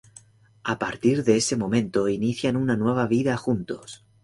A partir de ese momento inician una nueva vida juntos.